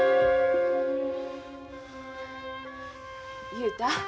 雄太